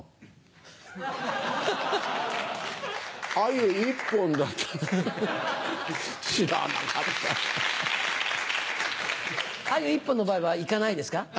鮎１本の場合は行かないですか？